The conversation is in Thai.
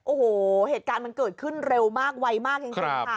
โอ้โหเหตุการณ์มันเกิดขึ้นเร็วมากไวมากจริงค่ะ